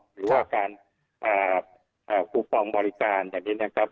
หรือว่าการคูครองบริการอย่างนี้นะครับ